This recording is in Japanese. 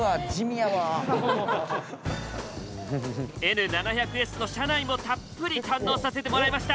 Ｎ７００Ｓの車内もたっぷり堪能させてもらいました。